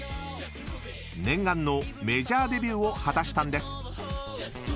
［念願のメジャーデビューを果たしたんです］